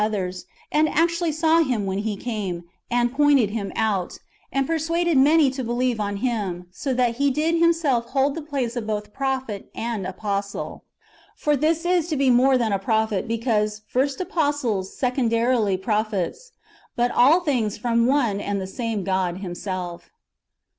291 the otliers, and actually saw Him when He came, and pointed Him out, and persuaded many to believe on Him, so that he did himself hold the place of both prophet and apostle. For this is to be more than a prophet, because, " first apostles, secondarily prophets;"^ but all things from one and the same God Himself.